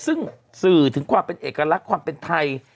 ซึ่งสื่อถึงความเป็นเอกลักษณ์ความเป็นไทย